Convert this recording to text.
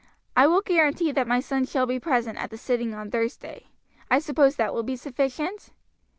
I will guarantee that my son shall be present at the sitting on Thursday, I suppose that will be sufficient?"